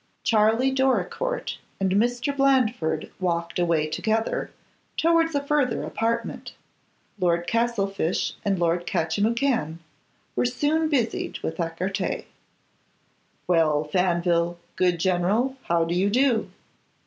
Charley Doricourt and Mr. Blandford walked away together, towards a further apartment. Lord Castlefyshe and Lord Catchimwhocan were soon busied with écarté. 'Well, Faneville, good general, how do you do?